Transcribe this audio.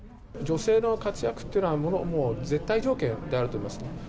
女性の活躍っていうのはもう、絶対条件であると思います。